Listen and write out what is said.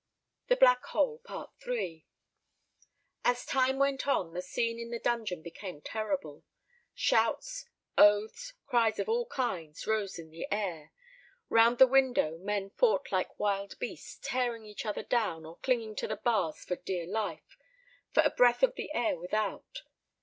THE BLACK HOLE.—III. As time went on the scene in the dungeon became terrible. Shouts, oaths, cries of all kinds, rose in the air. Round the window men fought like wild beasts, tearing each other down, or clinging to the bars for dear life, for a breath of the air without.